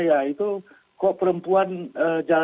nah itu apa partisi itu untuk apa